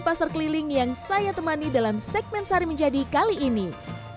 pasar keliling yang saya temani dalam segmen sari menjadi kali ini